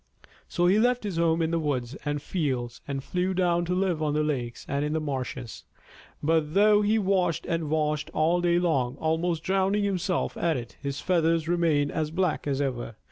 So he left his home in the woods and fields and flew down to live on the lakes and in the marshes. But though he washed and washed all day long, almost drowning himself at it, his feathers remained as black as ever.